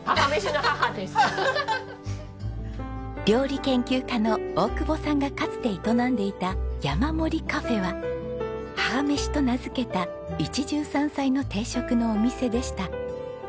料理研究家の大久保さんがかつて営んでいたやまもりカフェは母めしと名付けた一汁三菜の定食のお店でした。